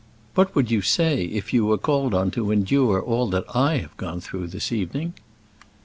What would you say if you were called on to endure all that I have gone through this evening?"